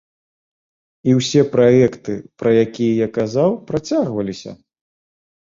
І ўсе праекты, пра якія я казаў, працягваліся.